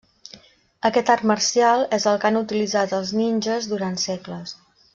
Aquest art marcial és el que han utilitzat els ninges durant segles.